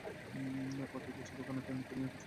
পথে কিছু দোকানে থেমে থেমে কিছু জিনিসপত্র কিনেছিলাম।